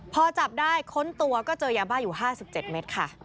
พอจับได้ค้นตัวก็เจอยาบ้าอยู่๕๗เมตรค่ะ